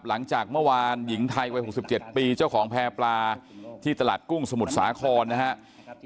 หลังจากเมื่อวานหญิงไทยวัย๖๗ปีเจ้าของแพร่ปลาที่ตลาดกุ้งสมุทรสาครนะครับ